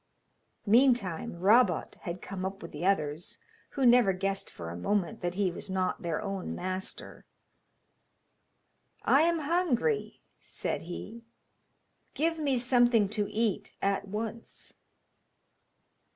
Meantime Rabot had come up with the others, who never guessed for a moment that he was not their own master. 'I am hungry,' said he, 'give me something to eat at once.'